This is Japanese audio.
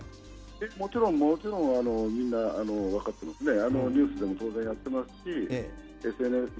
もちろんもちろん、みんな分かってますね。